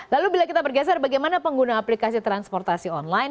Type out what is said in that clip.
lalu bila kita bergeser bagaimana pengguna aplikasi transportasi online